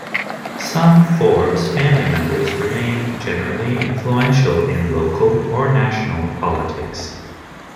Some Forbes family members remain generally influential in local or national politics.